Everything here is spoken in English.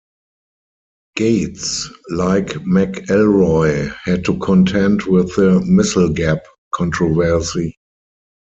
Gates, like McElroy, had to contend with the "missile gap" controversy.